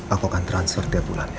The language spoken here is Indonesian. aku akan transfer tiap bulannya